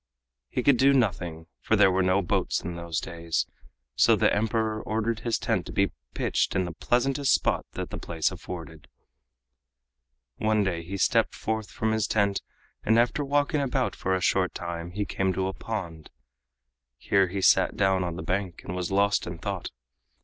He could do nothing, for there were no boats in those days, so the Emperor ordered his tent to be pitched in the pleasantest spot that the place afforded. One day he stepped forth from his tent and after walking about for a short time he came to a pond. Here he sat down on the bank and was lost in thought.